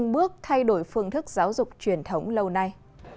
đối với phương thức giáo dục truyền thống lâu nay